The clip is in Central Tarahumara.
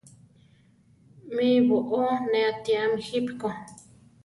Mí boʼó ne atíame jípi ko.